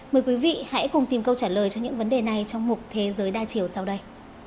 mời quý vị hãy cùng tìm câu trả lời cho những vấn đề này trong mục thế giới đa chiều sau đây